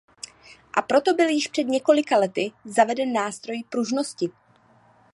A proto byl již před několika lety zaveden nástroj pružnosti.